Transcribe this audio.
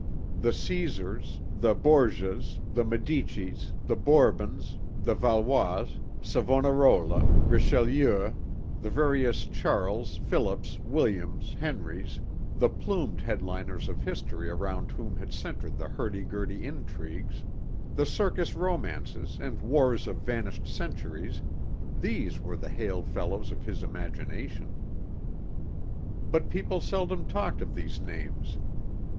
The Caesars, the Borgias, the Medicis, the Bourbons, the Valois, Savonarola, Richelieu, the various Charles, Phillips, Williams, Henrys, the plumed headliners of history around whom had centered the hurdy gurdy intrigues, the circus romances and wars of vanished centuries these were the hail fellows of his imagination. But people seldom talked of these names.